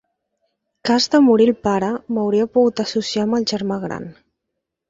Cas de morir el pare, m'hauria pogut associar amb el germà gran.